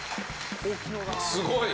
すごい。